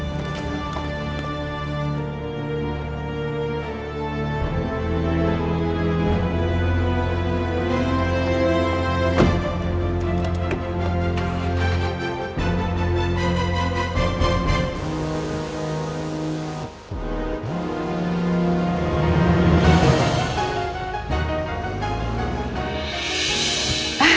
ah bu sarah